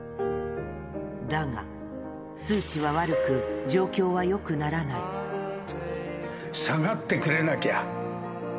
だが、数値は悪く、状況はよくな下がってくれなきゃ。